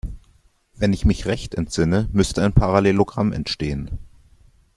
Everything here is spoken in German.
Wenn ich mich recht entsinne, müsste ein Parallelogramm entstehen.